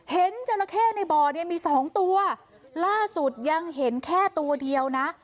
จราเข้ในบ่อเนี่ยมีสองตัวล่าสุดยังเห็นแค่ตัวเดียวนะ